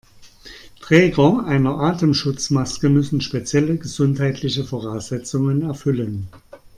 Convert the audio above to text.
Träger einer Atemschutzmaske müssen spezielle gesundheitliche Voraussetzungen erfüllen.